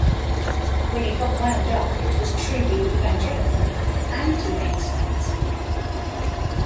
When he got wound up it was truly evangelical, and he made sense.